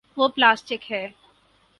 وہ پلاسٹک ہے۔